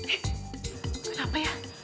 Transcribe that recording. eh kenapa ya